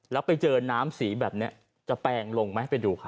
แล้วไปเจอน้ำสีแบบนี้จะแปลงลงไหมไปดูค่ะ